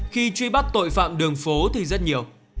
khi truy bắt tội phạm đường phố thì rất nhiều